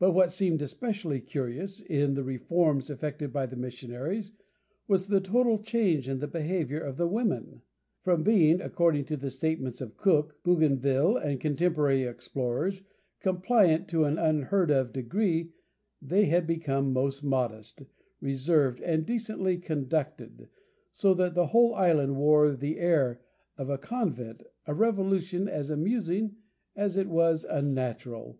But what seemed especially curious in the reforms effected by the missionaries was the total change in the behaviour of the women. From being, according to the statements of Cook, Bougainville, and contemporary explorers, compliant to an unheard of degree, they had become most modest, reserved, and decently conducted; so that the whole island wore the air of a convent, a revolution as amusing as it was unnatural.